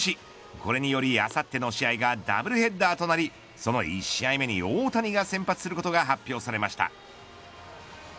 これによりあさっての試合がダブルヘッダーとなりその１試合目に大谷が先発することが発表されました。